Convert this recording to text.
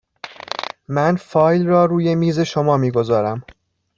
من فایل را روی میز شما می گذارم.